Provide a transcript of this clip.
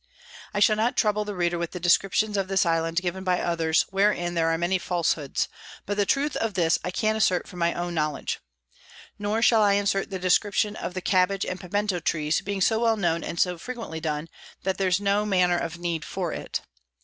I shall not trouble the Reader with the Descriptions of this Island given by others, wherein there are many Falshoods; but the Truth of this I can assert from my own knowledg. Nor shall I insert the Description of the Cabbage and Piemento Trees, being so well known and so frequently done, that there's no manner of need for it.